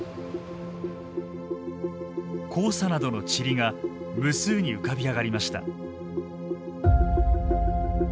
黄砂などの塵が無数に浮かび上がりました。